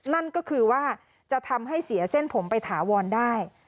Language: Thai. นั่นก็คือว่าจะทำให้เสียเส้นผมไปถาวรได้